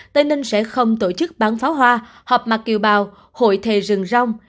tây ninh sẽ không tổ chức bán pháo hoa họp mặt kiều bào hội thề rừng rong